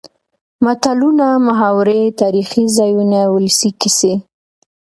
متلونه ،محاورې تاريخي ځايونه ،ولسي کسې.